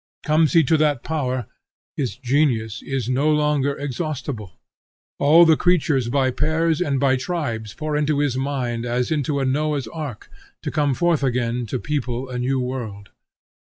Comes he to that power, his genius is no longer exhaustible. All the creatures by pairs and by tribes pour into his mind as into a Noah's ark, to come forth again to people a new world.